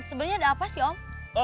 sebenarnya ada apa sih om